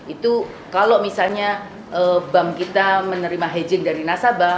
itu kalau misalnya bank kita menerima hedging dari nasabah